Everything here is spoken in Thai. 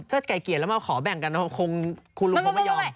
ถ้าไก่เกลียดแล้วมาขอแบ่งกันคุณลุงคงไม่ยอม